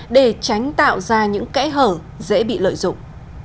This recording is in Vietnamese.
để tránh tạo ra những kẽ hở dễ bị lợi dụng